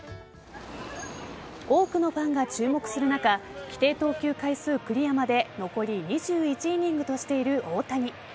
多くのファンが注目する中規定投球回数クリアまで残り２１イニングとしている大谷。